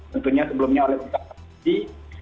tentunya sebelumnya oleh ustaz